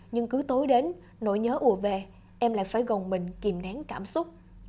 nhưng cứ tối đến nỗi nhớ ùa về em lại phải gồng mình kìm nán cảm xúc